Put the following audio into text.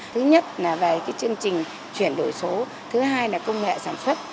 thứ nhất là về chương trình chuyển đổi số thứ hai là công nghệ sản xuất